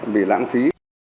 bị lãng phí